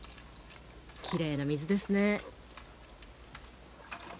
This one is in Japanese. きれいな水ですね。